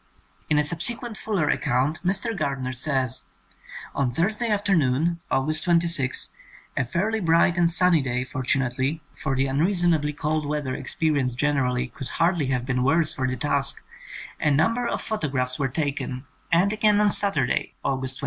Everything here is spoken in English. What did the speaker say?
..." In a subsequent fuller account Mr. Gard ner says : 0n Thursday afternoon, August 26, a fairly bright and sunny day, fortunately (for the unseasonably cold weather experi enced generally could hardly have been worse for the task), a number of photo graphs were taken, and again on Saturday, August 28.